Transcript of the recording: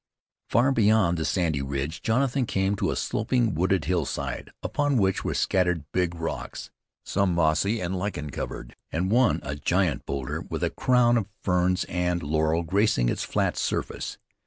Far beyond the sandy ridge Jonathan came to a sloping, wooded hillside, upon which were scattered big rocks, some mossy and lichen covered, and one, a giant boulder, with a crown of ferns and laurel gracing its flat surface.